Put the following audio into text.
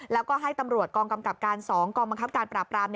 แล้วก็ให้ตำรวจกองกำกับการ๒กองบังคับการปราบราม